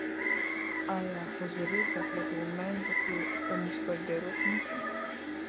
ایا حضوري زده کړه د آنلاین زده کړي په نسبت ډیر وخت نیسي؟